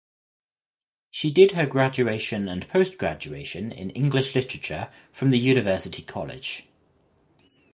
She did her graduation and post graduation in English literature from the University College.